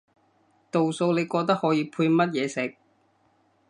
道餸你覺得可以配乜嘢食？